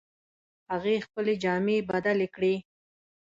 هغې خپلې جامې بدلې کړې